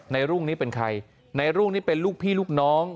รุ่งนี้เป็นใครในรุ่งนี่เป็นลูกพี่ลูกน้อง